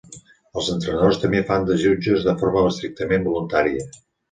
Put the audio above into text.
Els entrenadors també fan de jutges de forma estrictament voluntària.